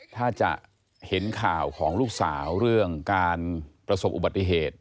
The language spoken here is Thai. ถ้าจะเห็นข่าวของลูกสาวเรื่องการประสบอุบัติเหตุ